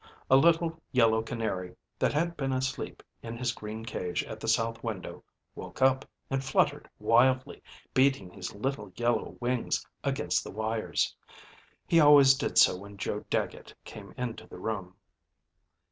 A little yellow canary that had been asleep in his green cage at the south window woke up and fluttered wildly, beating his little yellow wings against the wires. He always did so when Joe Dagget came into the room.